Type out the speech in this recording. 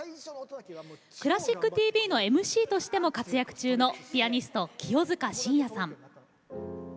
「クラシックＴＶ」のＭＣとしても活躍中のピアニスト清塚信也さん。